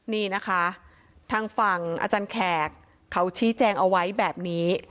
นี่นะคะทางฝั่งอาจารย์แขกเขาชี้แจงเอาไว้แบบนี้